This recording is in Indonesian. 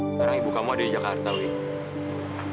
sekarang ibu kamu ada di jakarta nih